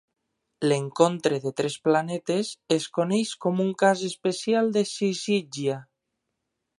L'encontre de tres planetes es coneix com un cas especial de sizígia.